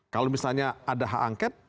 kalau misalnya ada hak angket